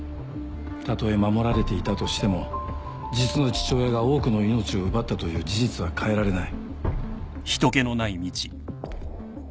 たとえ守られていたとしても実の父親が多くの命を奪ったという事実は変えられない。